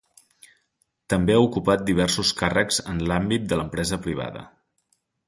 També ha ocupat diversos càrrecs en l'àmbit de l'empresa privada.